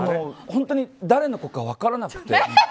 本当に誰の子か分からなくて。